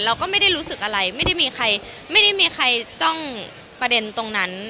เราก็ไม่ได้รู้สึกอะไรไม่ได้มีใครไม่ได้มีใครจ้องประเด็นตรงนั้น